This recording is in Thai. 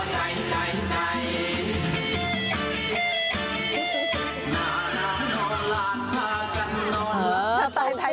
ใจเอาใจใจ